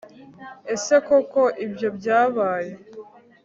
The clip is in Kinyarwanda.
Ese koko ibyo byabaye